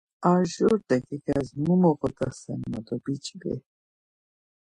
Arjur t̆eǩiǩes mu moğodasenma do biçvi.